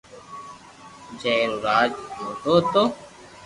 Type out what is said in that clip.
جي رو راج موٽو ھتو